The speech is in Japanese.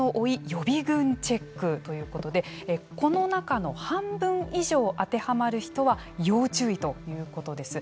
予備軍チェックということでこの中の半分以上当てはまる人は要注意ということです。